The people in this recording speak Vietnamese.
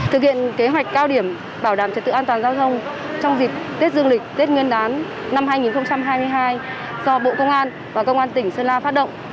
thực hiện kế hoạch cao điểm bảo đảm trật tự an toàn giao thông trong dịp tết dương lịch tết nguyên đán năm hai nghìn hai mươi hai do bộ công an và công an tỉnh sơn la phát động